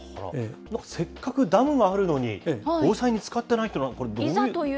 せっかくダムがあるのに、防災に使ってないというのはこれ、どういう？